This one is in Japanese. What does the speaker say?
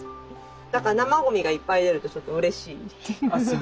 だから生ゴミがいっぱい出るとちょっとうれしいっていう。